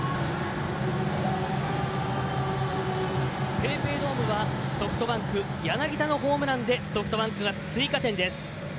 ＰａｙＰａｙドームは、ソフトバンク柳田のホームランで追加点です。